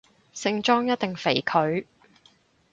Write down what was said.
聖莊一定肥佢